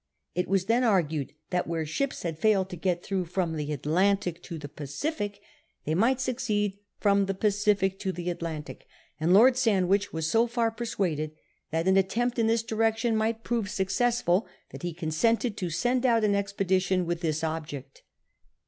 It \vas then argued that where ships had failed to get through from the Atlantic to the Pacific they might succeed from the I'acific to the Atlantic ; and Lord Sandwich was so far persuaded that an attempt in this diicction might prove successful that lie consented to send out an expedition with this object.